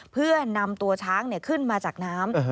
เพื่อนำตัวช้างขึ้นมาจากน้ำ